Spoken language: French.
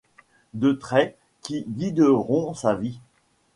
Deux traits qui guideront sa vie.